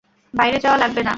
বাইরে যাওয়া লাগবে কেন?